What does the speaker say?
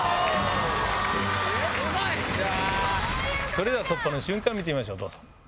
それでは突破の瞬間見てみましょうどうぞ。